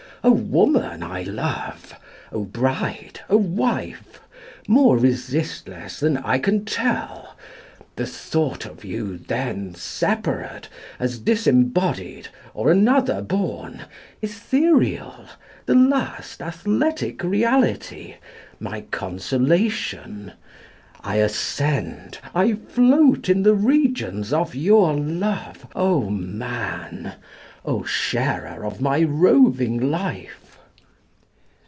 O woman I love! O bride! O wife! More resistless than I can tell, the thought of you Then separate, as disembodied, or another born, Ethereal, the last athletic reality, my consolation; I ascend I float in the regions of your love, O man, O sharer of my roving life."